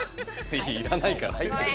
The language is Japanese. いらないから入ってよ。